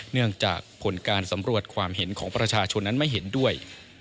เนื่องจากผลการสำรวจความเห็นของประชาชนนั้นไม่เห็นด้วย